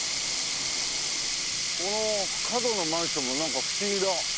この角のマンションがなんか不思議だ。